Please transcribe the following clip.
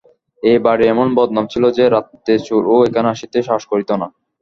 এ বাড়ির এমন বদনাম ছিল যে, রাত্রে চোরও এখানে আসিতে সাহস করিত না।